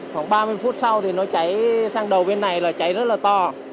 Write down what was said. khoảng ba mươi phút sau thì nó cháy sang đầu bên này là cháy rất là to